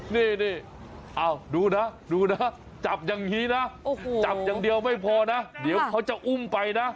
นี่ดูนะดูนะจับอย่างนี้นะจับอย่างเดียวไม่พอนะเดี๋ยวเขาจะอุ้มไปนะ